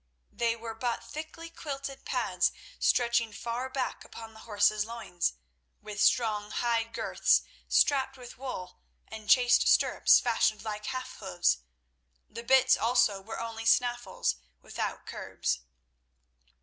They were but thickly quilted pads stretching far back upon the horses' loins, with strong hide girths strapped with wool and chased stirrups fashioned like half hoofs. The bits also were only snaffles without curbs.